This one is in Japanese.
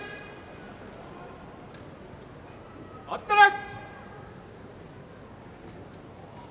待ったなし。